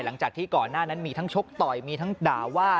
หลังจากที่ก่อนหน้านั้นมีทั้งชกต่อยมีทั้งด่าว่า